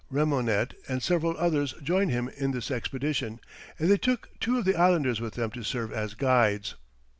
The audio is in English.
Remonnet and several others joined him in this expedition, and they took two of the islanders with them to serve as guides.